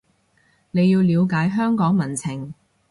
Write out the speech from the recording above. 你要了解香港民情